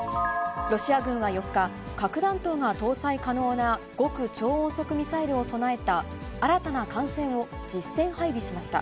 ロシア軍は４日、核弾頭が搭載可能な極超音速ミサイルを備えた新たな艦船を実戦配備しました。